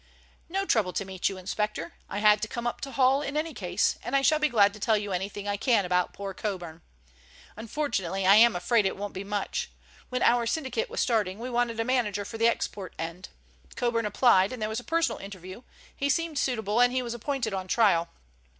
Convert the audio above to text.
"No trouble to meet you, inspector. I had to come up to Hull in any case, and I shall be glad to tell you anything I can about poor Coburn. Unfortunately I am afraid it won't be much. When our syndicate was starting we wanted a manager for the export end. Coburn applied, there was a personal interview, he seemed suitable and he was appointed on trial.